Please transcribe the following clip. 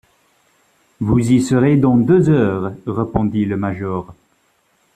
Vous y serez dans deux heures, » répondit le major.